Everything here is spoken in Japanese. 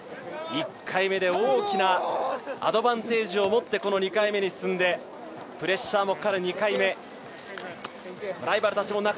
１回目で大きなアドバンテージを持ってこの２回目に進んでプレッシャーもかかる２回目ライバルたちも